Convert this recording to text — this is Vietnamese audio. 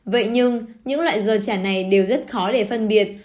vậy nhưng những loại giò chả này đều rất khó để phân biệt